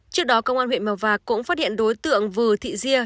trước đó công an huyện mèo vạc cũng phát hiện đối tượng vừa thị diê